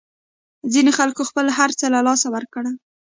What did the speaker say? ځینو خلکو خپل هرڅه له لاسه ورکړل.